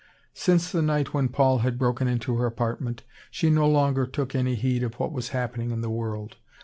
Since the night when Paul had broken into her apartment, she no longer took any heed of what was happening in the world.